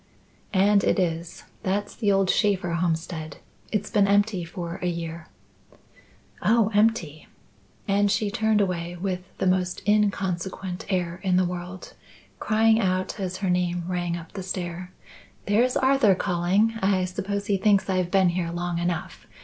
"And it is. That's the old Shaffer homestead. It's been empty for a year." "Oh, empty!" And she turned away, with the most inconsequent air in the world, crying out as her name rang up the stair, "There's Arthur calling. I suppose he thinks I've been here long enough.